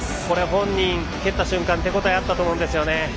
本人、蹴った瞬間手応えあったと思うんですよ。